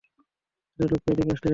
একটা লোককে এদিকে আসতে দেখেছো?